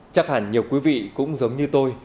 chắc hẳn nhiều quý vị cũng giống như tôi